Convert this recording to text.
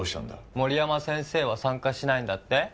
森山先生は参加しないんだって？